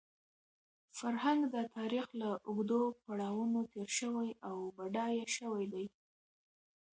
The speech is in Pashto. فرهنګ د تاریخ له اوږدو پړاوونو تېر شوی او بډایه شوی دی.